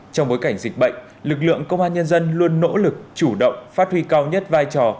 trong bối cảnh dịch bệnh lực lượng công an nhân dân luôn nỗ lực chủ động phát huy cao nhất vai trò